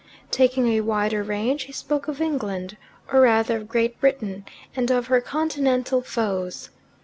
Taking a wider range, he spoke of England, or rather of Great Britain, and of her continental foes.